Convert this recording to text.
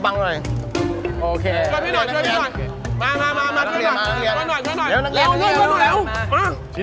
กรุงสือต้องทำความดี